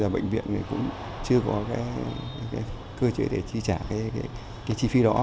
bệnh viện cũng chưa có cơ chế để trả chi phí đó